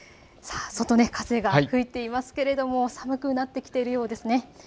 外、風が吹いていますけれども、寒くなってきているようですね。